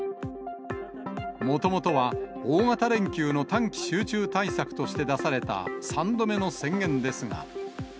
もともとは大型連休の短期集中対策として出された３度目の宣言ですが。